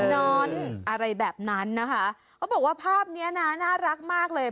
นอนอะไรแบบนั้นนะคะเขาบอกว่าภาพเนี้ยนะน่ารักมากเลย